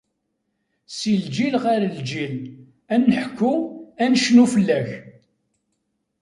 Si lǧil ɣer lǧil, an-neḥku, an-necnu fell-ak!